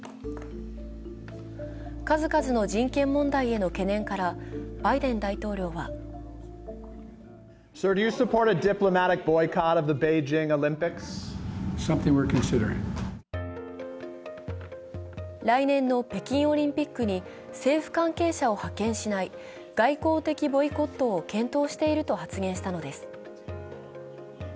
数々の人権問題への懸念から、バイデン大統領は来年の北京オリンピックに政府関係者を派遣しない、外交的ボイコットを検討していると発言したのです。